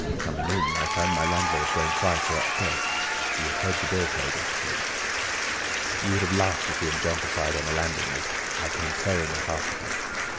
Coming in, I found my landlord going quietly upstairs; he had heard the door close, I suppose. You would have laughed to see him jump aside on the landing as I came tearing after him.